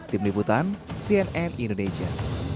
tim liputan cnn indonesia